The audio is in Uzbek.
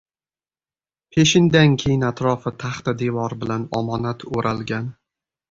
Peshindan keyin atrofi taxta devor bilan omonat o‘ralgan